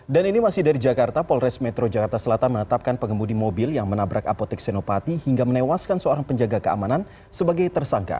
dan ini masih dari jakarta polres metro jakarta selatan menetapkan pengemudi mobil yang menabrak apotek senopati hingga menewaskan seorang penjaga keamanan sebagai tersangka